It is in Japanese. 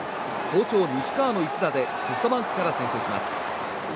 好調、西川の一打でソフトバンクから先制します。